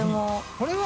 これは？